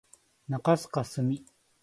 中須かすみ